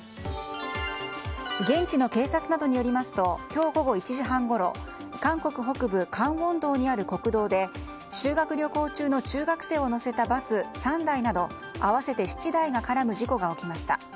現地の警察などによりますと今日午後１時半ごろ韓国北部カンウォン道にある国道で修学旅行中の中学生を乗せたバス３台など合わせて７台が絡む事故が起きました。